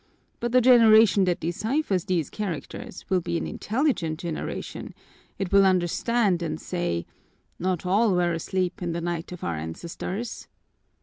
But the generation that deciphers these characters will be an intelligent generation, it will understand and say, 'Not all were asleep in the night of our ancestors!'